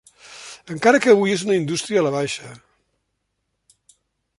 Encara que avui és una indústria a la baixa.